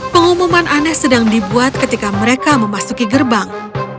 pengumuman aneh sedang dibuat ketika mereka memasuki gerbang